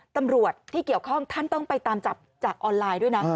ตำรวจที่เกี่ยวข้องท่านต้องไปตามจับจากออนไลน์ด้วยนะ